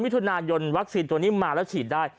มิถุนายนวัคซีนตัวนี้มาแล้วฉีดได้